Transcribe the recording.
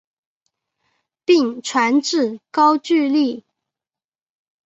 并传至高句丽。